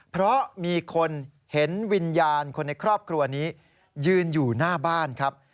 เพราะมีคนเห็นวิญญาณคนในครอบครัวนี้ยืนอยู่หน้าบ้านครับ